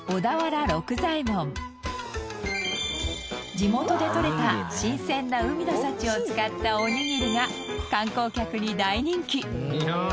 地元で獲れた新鮮な海の幸を使ったおにぎりが観光客に大人気。